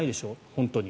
本当に？